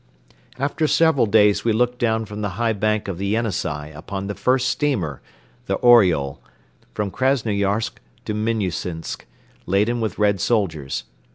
After several days we looked down from the high bank of the Yenisei upon the first steamer, the "Oriol," from Krasnoyarsk to Minnusinsk, laden with Red soldiers.